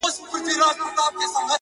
تر پرون مي يوه کمه ده راوړې!